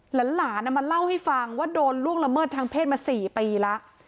หลานมาเล่าให้ฟังว่าโดนล่วงละเมิดทางเพศมา๔ปีแล้ว